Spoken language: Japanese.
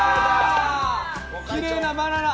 きれいなバナナ。